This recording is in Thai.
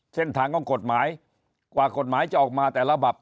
เส้นทางของกฎหมายกว่ากฎหมายจะออกมาแต่ระบบ